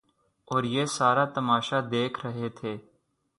اوریہ سارا تماشہ دیکھ رہے تھے۔